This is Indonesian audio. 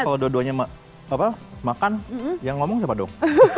kalau dua duanya makan yang ngomong siapa dong